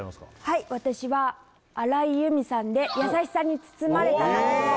はい私は荒井由実さんで「やさしさに包まれたなら」です